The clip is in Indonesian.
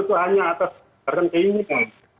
itu hanya atas renting ini